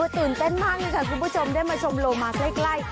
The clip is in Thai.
ตื่นเต้นมากเลยค่ะคุณผู้ชมได้มาชมโลมาใกล้